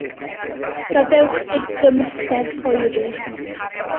Gadewch i'r gymysgedd oeri.